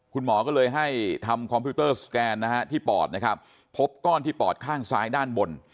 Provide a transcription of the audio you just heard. คุณหมอก็เลยให้ทำคอมพิวเตอร์สแกนนะฮะที่ปอดนะครับพบก้อนที่ปอดข้างซ้ายด้านบน